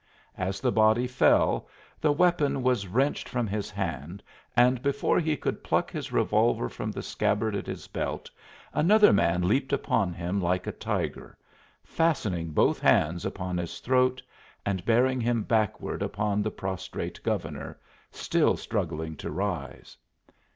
As the body fell the weapon was wrenched from his hand and before he could pluck his revolver from the scabbard at his belt another man leaped upon him like a tiger, fastening both hands upon his throat and bearing him backward upon the prostrate Governor, still struggling to rise.